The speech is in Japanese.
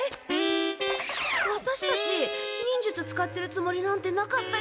ワタシたち忍術使ってるつもりなんてなかったけど。